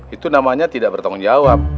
itu namanya tidak bertanggung jawab